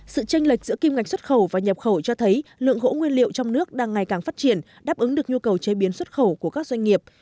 sự tranh lệch giữa kim ngạch xuất khẩu và nhập khẩu cho thấy lượng gỗ nguyên liệu trong nước đang ngày càng phát triển đáp ứng được nhu cầu chế biến xuất khẩu của các doanh nghiệp